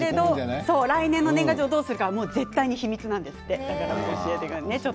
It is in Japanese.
来年の年賀状はどうするか絶対に秘密だそうです。